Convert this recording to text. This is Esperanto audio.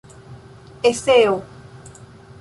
eseo